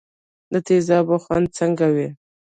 د تیزابو خوند څنګه وي.